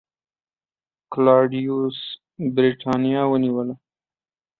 کلاډیوس برېټانیا ونیوله